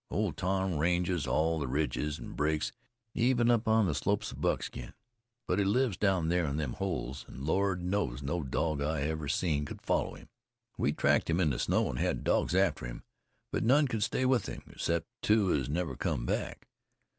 Old Tom ranges all the ridges and brakes, even up on the slopes of Buckskin; but he lives down there in them holes, an' Lord knows, no dog I ever seen could follow him. We tracked him in the snow, an' had dogs after him, but none could stay with him, except two as never cum back.